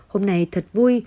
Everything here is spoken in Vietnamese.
hôm nay thật vui